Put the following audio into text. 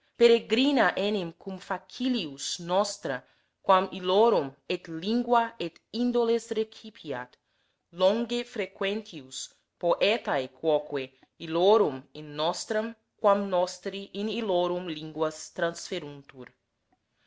Peregrina enim cum facilius nostra quam illorum et lingua et indoles recipiat, longe frequentius poetee quoque illorum in nostram quam nostri in illorum linguas transferuntur.